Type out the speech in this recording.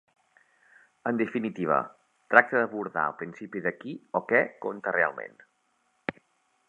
En definitiva, tracta d'abordar el principi de qui o què compta realment.